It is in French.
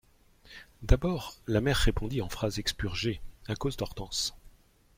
D'abord, la mère répondit en phrases expurgées, à cause d'Hortense.